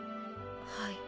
はい。